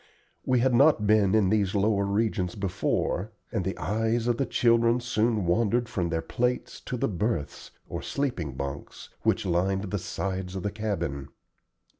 We had not been in these lower regions before, and the eyes of the children soon wandered from their plates to the berths, or sleeping bunks, which lined the sides of the cabin.